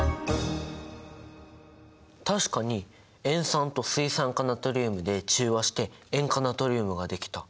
確かに塩酸と水酸化ナトリウムで中和して塩化ナトリウムができた。